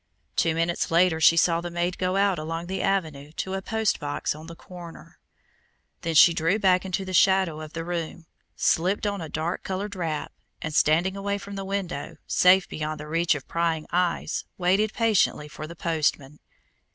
Two minutes later she saw the maid go out along the avenue to a post box on the corner. Then she drew back into the shadow of the room, slipped on a dark colored wrap, and, standing away from the window, safe beyond the reach of prying eyes, waited patiently for the postman.